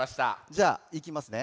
じゃあいきますね。